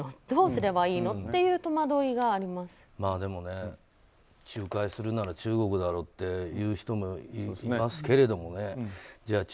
どうすればいいの？っていうでもね、仲介するなら中国だろうと言う人もいますけれどもじゃ